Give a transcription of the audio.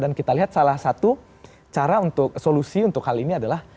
dan kita lihat salah satu cara untuk solusi untuk hal ini adalah